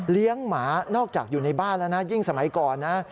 หมานอกจากอยู่ในบ้านแล้วนะยิ่งสมัยก่อนนะ